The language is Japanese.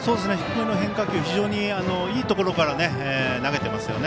低めの変化球非常にいいところから投げてます。